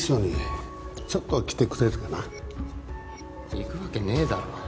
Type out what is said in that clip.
行くわけねえだろ。